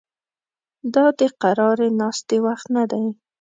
دا د قرارې ناستې وخت نه دی